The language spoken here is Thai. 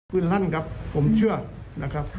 ลั่นครับผมเชื่อนะครับ